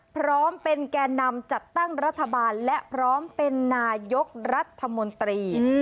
พร้อมเป็นแก่นำจัดตั้งรัฐบาลและพร้อมเป็นนายกรัฐมนตรี